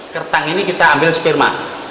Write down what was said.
kertang ini kita ambil sperma